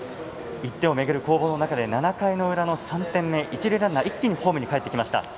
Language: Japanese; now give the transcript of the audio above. １点を巡る攻防の中で７回の裏の３点目、一塁ランナー一気にホームにかえってきました。